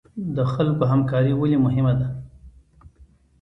د خلکو همکاري ولې مهمه ده؟